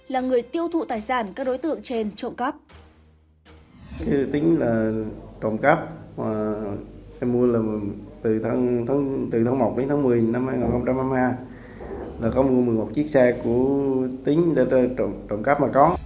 là người tiêu thụ tài sản các đối tượng trên trộm cắp